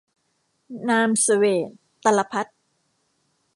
นามเสวตร-ตะละภัฏ